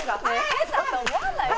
変だと思わないの？